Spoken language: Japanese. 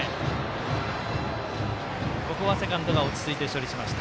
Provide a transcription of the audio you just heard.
ここはセカンドが落ち着いて処理しました。